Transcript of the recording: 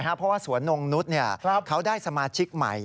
เพราะว่าสวนนงนุษย์เขาได้สมาชิกใหม่